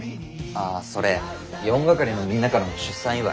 ああそれ４係のみんなからの出産祝。